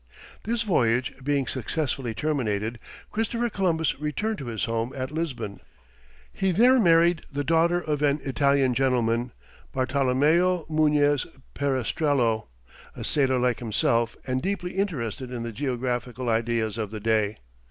This voyage being successfully terminated, Christopher Columbus returned to his home at Lisbon. He there married the daughter of an Italian gentleman, Bartolomeo Munez Perestrello, a sailor like himself and deeply interested in the geographical ideas of the day.